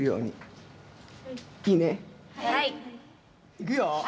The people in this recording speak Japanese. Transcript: いくよ！